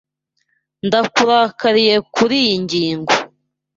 Ndakurakariye kuriyi ngingo.